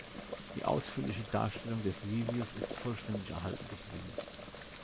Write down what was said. Die ausführliche Darstellung des Livius ist vollständig erhalten geblieben.